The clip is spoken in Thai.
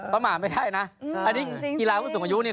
ประมาณไม่ได้นะอันนี้กีฬาผู้สูงอายุเนี่ย